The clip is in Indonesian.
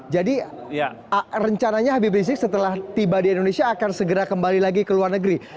rencananya habib rizik setelah tiba di indonesia akan segera kembali lagi ke luar negeri